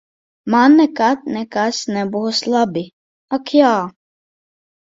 Man nekad nekas nebūs labi. Ak jā.